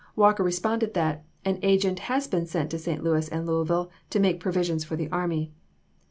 Walker re sponded that " an agent has been sent to St. Louis and Louisville to make purchases for the army."